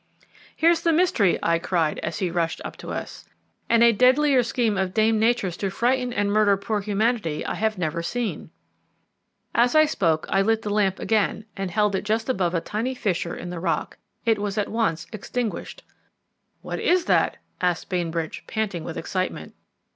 "Here's the mystery," I cried as he rushed up to us, "and a deadlier scheme of Dame Nature's to frighten and murder poor humanity I have never seen." As I spoke I lit the lamp again and held it just above a tiny fissure in the rock. It was at once extinguished. "What is it?" said Bainbridge, panting with excitement.